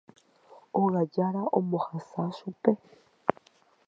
Óga jára ombohasa chupe.